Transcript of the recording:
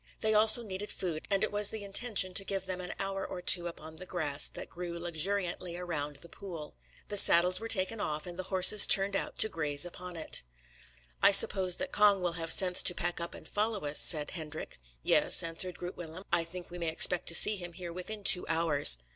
These also needed food; and it was the intention to give them an hour or two upon the grass that grew luxuriantly around the pool. The saddles were taken off, and the horses turned out to graze upon it. "I suppose that Cong will have sense to pack up and follow us," said Hendrik. "Yes," answered Groot Willem, "I think we may expect to see him here within two hours."